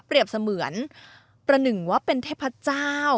เสมือนประหนึ่งว่าเป็นเทพเจ้า